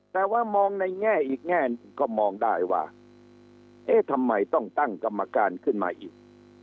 แต่ว่ามองในแง่อีกแง่ก็มองได้ว่าเอ๊ะทำไมต้องตั้งกรรมการขึ้นมาอีก